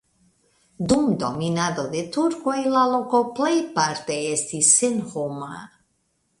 Dum dominado de turkoj la loko plejparte estis senhoma.